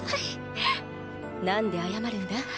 なんで謝るんだ？